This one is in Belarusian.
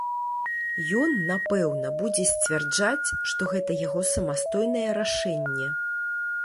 Ён, напэўна, будзе сцвярджаць, што гэта яго самастойнае рашэнне.